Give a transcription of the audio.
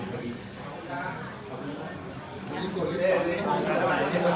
ขอบคุณครับ